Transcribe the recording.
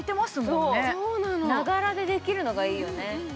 ながらでできるのが、いいよね。